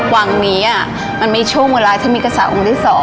วังนี้มันมีช่วงเวลาที่มีภาษาองค์ที่๒